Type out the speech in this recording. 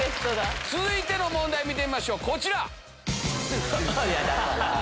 続いての問題見てみましょうこちら！